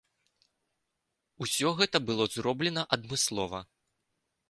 Усё гэта было зроблена адмыслова.